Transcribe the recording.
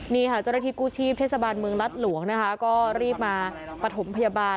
นี้ค่ะเจรธิกู้ชีพเทศบาลเมืองรัตน์หลวงก็รีบมาประถมพยาบาล